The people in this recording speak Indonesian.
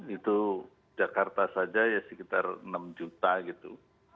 itu jakarta saja ya sekitar enam juta gitu